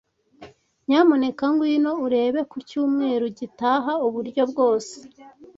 Nyamuneka ngwino urebe ku cyumweru gitaha uburyo bwose.